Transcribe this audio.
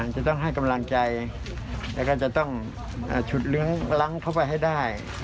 จะต้องให้กำลังใจแล้วก็จะต้องฉุดเลื้อยล้างเข้าไปให้ได้